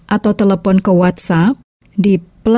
atau telepon ke whatsapp di